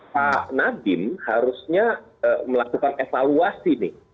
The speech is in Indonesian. pak nadiem harusnya melakukan evaluasi nih